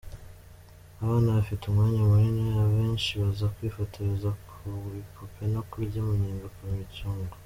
Abana bafite umwanya munini, abenshi baza kwifotoreza ku bipupe no kurya umunyenga ku myicungo.